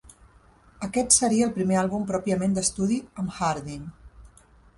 Aquest seria el primer àlbum pròpiament d'estudi amb Harding.